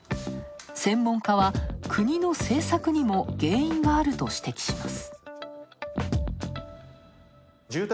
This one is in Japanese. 専門家は国の政策にも原因があると指摘します。